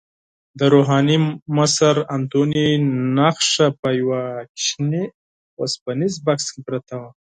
د روحاني مشر انتوني نخښه په یوه کوچني اوسپنیز بکس کې پرته وه.